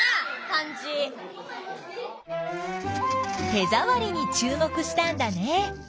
手ざわりにちゅう目したんだね。